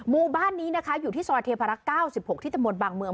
มู่บ้านนี้อยู่ที่ซอยเทพรก๙๖ที่ตะโมนบังเมือง